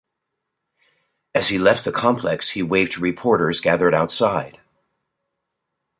As he left the complex, he waved to reporters gathered outside.